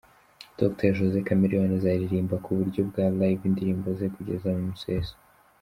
Dr Josee Chameleone azaririmba ku buryo bwa Live indirimbo ze kugeza mu museso.